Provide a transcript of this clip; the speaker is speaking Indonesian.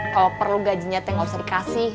kalau perlu gajinya teh nggak usah dikasih